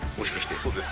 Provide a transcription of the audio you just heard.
そうです。